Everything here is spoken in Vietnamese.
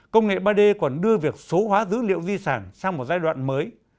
công nghệ ba d còn đưa việc số hóa dữ liệu di sản sang một giai đoạn mới